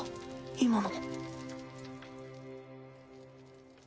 今の。